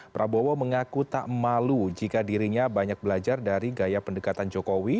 prabowo mengaku tak malu jika dirinya banyak belajar dari gaya pendekatan jokowi